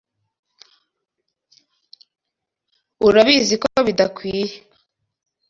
Urabizi ko bidakwiye.